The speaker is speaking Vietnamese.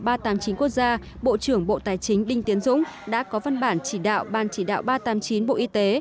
ban chỉ đạo ba trăm tám mươi chín quốc gia bộ trưởng bộ tài chính đinh tiến dũng đã có văn bản chỉ đạo ban chỉ đạo ba trăm tám mươi chín bộ y tế